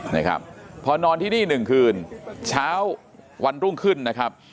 นะครับพอนอนที่นี่หนึ่งคืนเช้าวันรุ่งขึ้นนะครับ